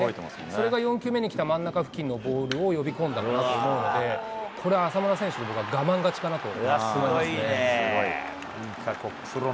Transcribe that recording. それが４球目に来た、真ん中付近のボールを呼び込んだのかなと思うので、これは浅村選手、僕は我慢勝ちかなと。